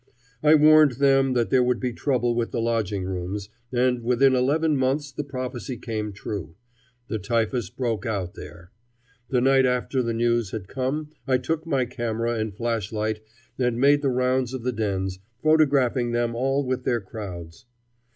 I warned them that there would be trouble with the lodging rooms, and within eleven months the prophecy came true. The typhus broke out there. The night after the news had come I took my camera and flashlight and made the round of the dens, photographing them all with their crowds.